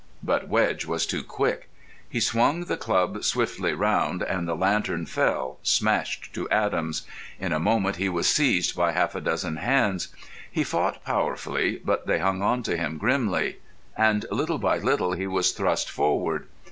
But Wedge was too quick. He swung the club swiftly round, and the lantern fell, smashed to atoms. In a moment he was seized by half a dozen hands. He fought powerfully, but they hung on to him grimly, and little by little he was thrust forward.